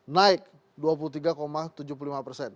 naik dua puluh tiga tujuh puluh lima persen